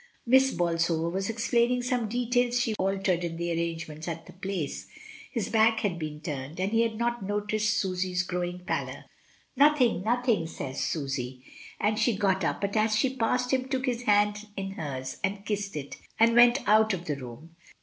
Miss Bolsover was explaining some details she wished altered in the arrangements at the Place; his back had been turned, and he had not noticed Sus/s growing pallor. "Nothing, nothing," says Susy, and she got up, but as she passed him took his hand in hers and kissed it, and went out of the room.